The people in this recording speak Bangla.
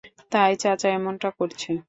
তাই চাচা এমনটা করছে।